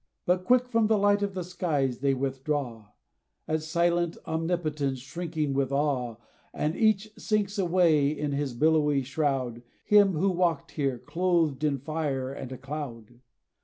But quick from the light of the skies they withdraw, At silent Omnipotence shrinking with awe; And each sinks away in his billowy shroud, From him who walked here, clothed in fire and a cloud.